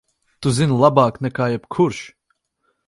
Tu zini labāk nekā jebkurš!